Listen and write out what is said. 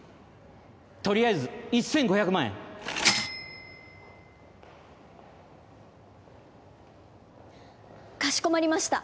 とりあえず１千５百万円かしこまりました